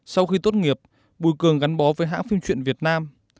sau khi tốt nghiệp bùi cường gắn bó với hãng phim truyện việt nam